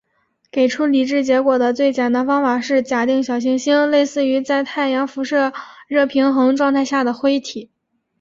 给出理智结果的最简单方法是假定小行星类似于在太阳辐射热平衡状态下的灰体。